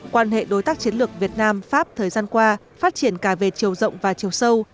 quan hệ đối tác chiến lược việt nam pháp thời gian qua phát triển cả về chiều rộng và chiều sâu